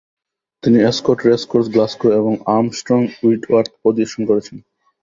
তিনি Ascot racecourse, Glasgow এবং Armstrong Whitworth পরিদর্শন করেছেন।